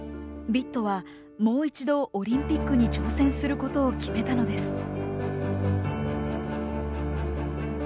ビットはもう一度オリンピックに挑戦することを決めたのです。